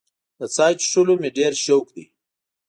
د چای څښلو مې ډېر شوق دی.